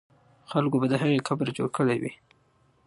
خلکو به د هغې قبر جوړ کړی وي.